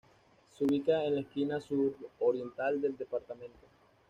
Se ubica en la esquina suroriental del departamento.